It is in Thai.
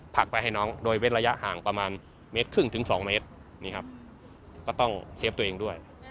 ักไปให้น้องโดยเว้นระยะห่างประมาณเมตรครึ่งถึงสองเมตรนี่ครับก็ต้องเชฟตัวเองด้วย